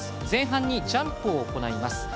前半、ジャンプを行います。